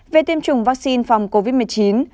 về tiêm chủng vaccine phòng covid một mươi chín